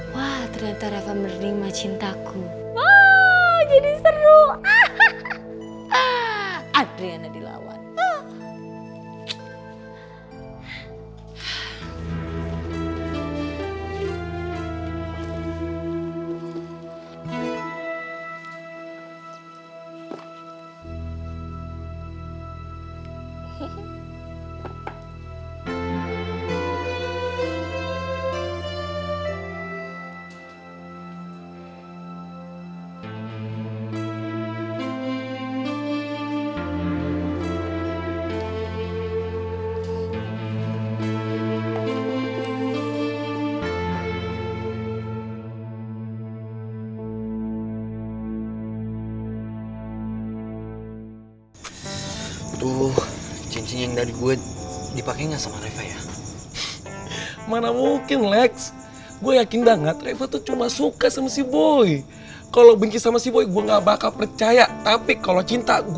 wah ternyata reva menerima cintaku